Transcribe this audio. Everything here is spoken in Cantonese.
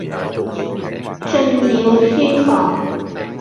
進了書房，